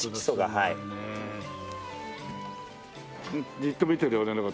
じっと見てるよ俺の事。